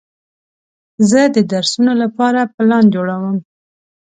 زه د درسونو لپاره پلان جوړوم.